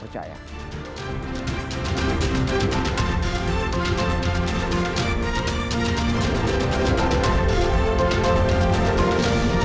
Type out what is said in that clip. terima kasih bang jerry